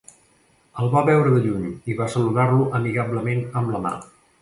El va veure de lluny i va saludar-lo amigablement amb la mà.